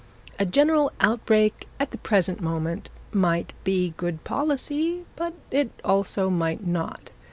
A general outbreak at the present moment might be good policy, but it also might not.